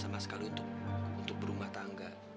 sama sekali untuk berumah tangga